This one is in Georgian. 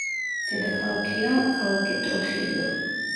დედაქალაქია ქალაქი ტრუხილიო.